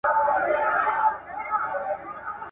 دا ناول د رسا صاحب لخوا لیکل سوی دی.